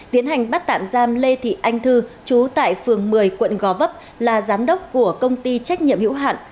tiến hành bắt tạm giam lê thị anh thư chú tại phường một mươi quận gò vấp là giám đốc của công ty trách nhiệm hữu hạn